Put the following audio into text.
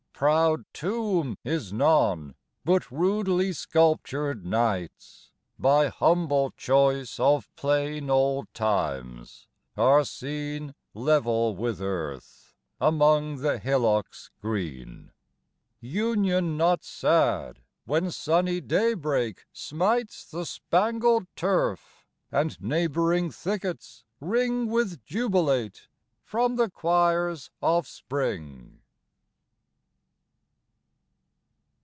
Proud tomb is none; but rudely sculptured knights, By humble choice of plain old times, are seen 10 Level with earth, among the hillocks green: Union not sad, when sunny daybreak smites The spangled turf, and neighbouring thickets ring With jubilate from the choirs of spring!